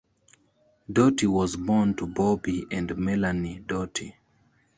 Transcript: Doty was born to Bobby and Melanie Doty.